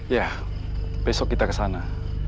ya besok kita ke sana